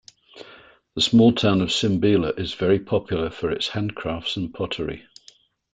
The small town of Simbila, is very popular for its handcrafts and pottery.